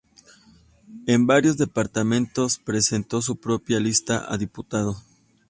En varios departamentos presentó su propia lista a diputados.